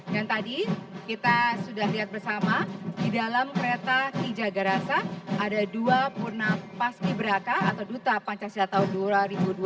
dan tadi kita sudah lihat bersama di dalam kereta hijagerasa ada dua purnapas ibraka atau duta pancasila tahun dura dua ribu dua puluh dua